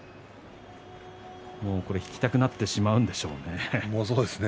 引きたくなってしまうんでしょうね。